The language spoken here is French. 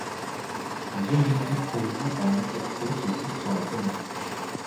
Les objectifs pourvus en monture C se vissent sur la caméra.